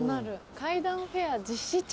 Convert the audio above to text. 階段フェア実施中‼」。